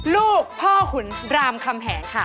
ลูกพ่อขุนรามคำแหงค่ะ